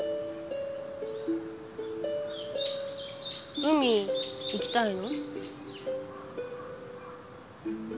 海行きたいの？